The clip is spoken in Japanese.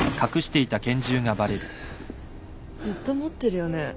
ずっと持ってるよね？